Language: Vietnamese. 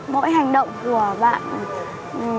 mỗi hành động của bạn